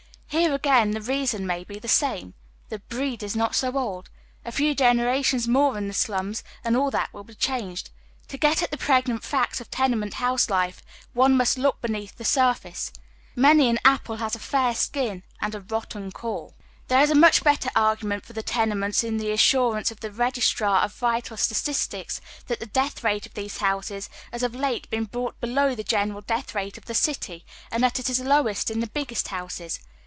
Here again the reason may be the same: the breed is not so old. A few generations more in the alums, and all that will be changed. To get at the pregnant facts of tenement house life one must look beneath the surface. Many an apple has a fair skin and a oy Google THE MAN WITH THE KNIFE. 265 rotten core. There ia a much better argument for the tenementa in the assurance of the Registrar of Vital Statistics that the death rate of these houses has of late been brought below the general death rate of the city, and that it is lowest in the biggest houaea.